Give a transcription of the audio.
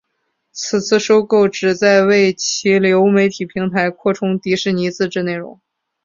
此次收购旨在为其流媒体平台扩充迪士尼自制内容。